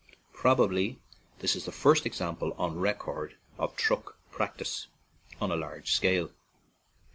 Probably this is the first example on record of truck practice on a large scale.